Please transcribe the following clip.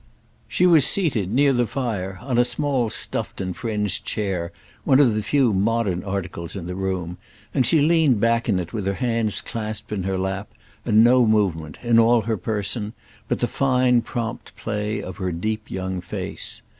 She was seated, near the fire, on a small stuffed and fringed chair one of the few modern articles in the room, and she leaned back in it with her hands clasped in her lap and no movement, in all her person, but the fine prompt play of her deep young face.